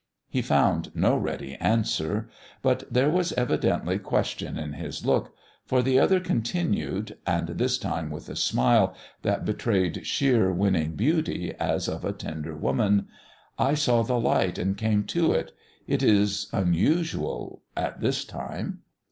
He found no ready answer. But there was evidently question in his look, for the other continued, and this time with a smile that betrayed sheer winning beauty as of a tender woman: "I saw the light and came to it. It is unusual at this time."